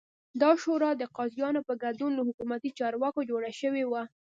دا شورا د قاضیانو په ګډون له حکومتي چارواکو جوړه شوې وه